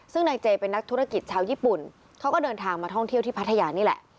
ซึ่งนายเจเป็นนักธุรกิจชาวญี่ปุ่นเขาก็เดินทางมาท่องเที่ยวที่พัทยานี่แหละ